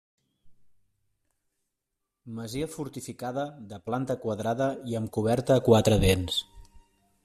Masia fortificada, de planta quadrada i amb coberta a quatre vents.